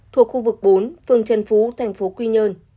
thuộc khu vực bốn phường trần phú tp quy nhơn